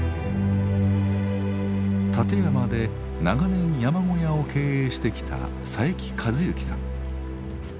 立山で長年山小屋を経営してきた佐伯和起さん。